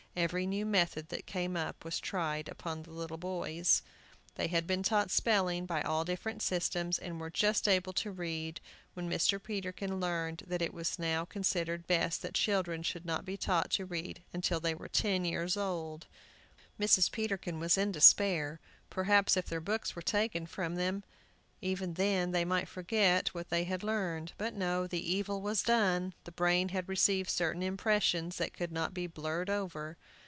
Every new method that came up was tried upon the little boys. They had been taught spelling by all the different systems, and were just able to read, when Mr. Peterkin learned that it was now considered best that children should not be taught to read till they were ten years old. Mrs. Peterkin was in despair. Perhaps, if their books were taken from them even then, they might forget what they had learned. But no, the evil was done; the brain had received certain impressions that could not be blurred over.